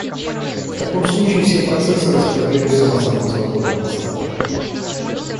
В таком случае все процессы распределяются на самых свободных хостах